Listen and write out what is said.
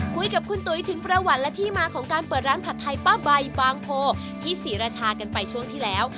คุยกับคุณตุ๋ยถึงประวัติและที่มาของการเปิดร้านผัดไทยป้าใบบางโพที่ศรีราชากันไปช่วงที่แล้ว